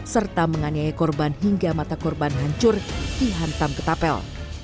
serta menganiaya korban hingga mata korban hancur dihantam ketapel